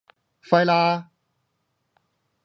Fight Lah!